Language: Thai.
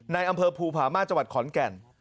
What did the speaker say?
อำเภอภูผามาจังหวัดขอนแก่น